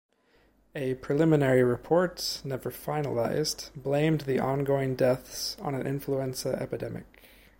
A preliminary report, never finalised, blamed the ongoing deaths on an influenza epidemic.